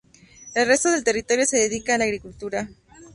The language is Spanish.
El resto del territorio se dedica a la agricultura.